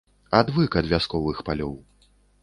Адвык ад вясковых палёў.